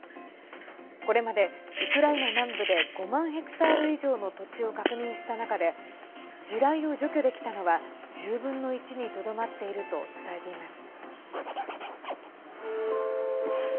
これまでウクライナ南部で５万ヘクタール以上の土地を確認した中で地雷を除去できたのは１０分の１にとどまっていると伝えています。